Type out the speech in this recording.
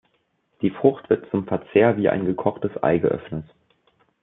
Die Frucht wird zum Verzehr wie ein gekochtes Ei geöffnet.